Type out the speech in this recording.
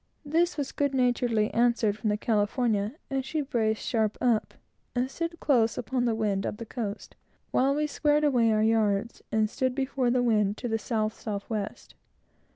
This was good naturedly answered from the California, and she braced sharp up, and stood close upon the wind up the coast; while we squared away our yards, and stood before the wind to the south south west.